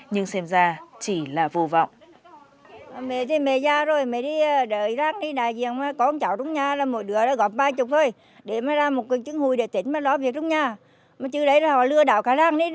nhưng xem ra chỉ là vô vọng